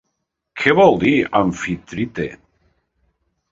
Què vol dir Amfitrite?